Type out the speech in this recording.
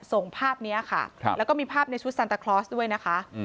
ส่งภาพนี้ค่ะแล้วก็มีภาพในชุดซันตาคลอสด้วยนะคะ